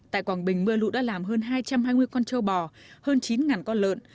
tại quảng bình mưa lũ đã làm hơn hai trăm hai mươi con trâu bò hơn chín con lợn